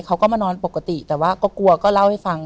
เขาก็มานอนปกติแต่ว่าก็กลัวก็เล่าให้ฟัง